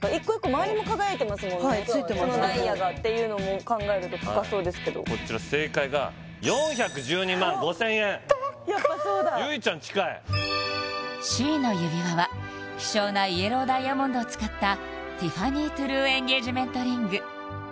ここそのダイヤがっていうのも考えると高そうですけどこちら正解がやっぱそうだ結実ちゃん近いＣの指輪は希少なイエローダイヤモンドを使ったティファニートゥルーエンゲージメントリング